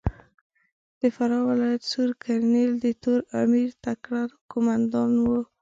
د فراه ولایت سور کرنېل د تور امیر تکړه کومندان ؤ.